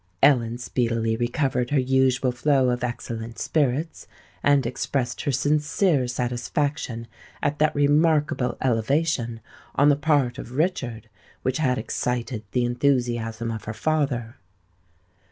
Ellen speedily recovered her usual flow of excellent spirits, and expressed her sincere satisfaction at that remarkable elevation on the part of Richard which had excited the enthusiasm of her father.